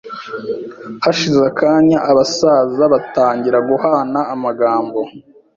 hashize akanya abasaza batangira guhana amagambo